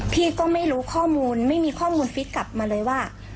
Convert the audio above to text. พี่ก็ไม่รู้ข้อมูลไม่มีข้อมูลฟิตกลับมาเลยว่า